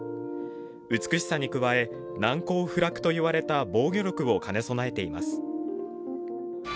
美しさに加え難攻不落といわれた防御力を兼ね備えています。